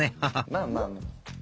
まあまあまあ。